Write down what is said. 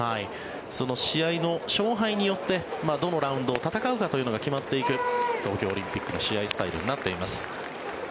その試合の勝敗によってどのラウンドを戦うのかが決まっていく東京オリンピックの試合スタイルになっています。